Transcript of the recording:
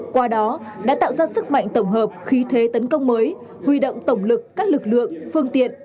qua đó đã tạo ra sức mạnh tổng hợp khí thế tấn công mới huy động tổng lực các lực lượng phương tiện